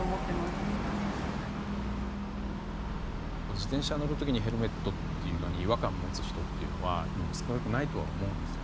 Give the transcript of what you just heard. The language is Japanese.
自転車に乗る時にヘルメットというのに違和感を持つ人というのは今も少なくないとは思うんです。